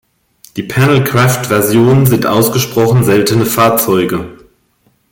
Die Panelcraft-Versionen sind ausgesprochen seltene Fahrzeuge.